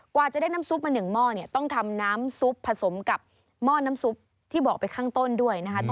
กว่าจะได้น้ำซุปมา๑หม้อเนี่ยต้องทำน้ำซุปผสมกับหม้อน้ำซุปที่บอกไปข้างต้นด้วยนะคะ